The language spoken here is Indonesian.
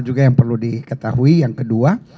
juga yang perlu diketahui yang kedua